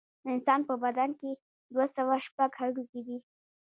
د انسان په بدن کې دوه سوه شپږ هډوکي دي